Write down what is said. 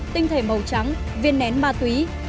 tinh thể màu trắng viên nén ma túy